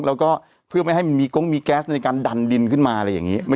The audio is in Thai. แล้วก็เพื่อไม่ให้มันมีกงมีแก๊สในการดันดินขึ้นมาอะไรอย่างนี้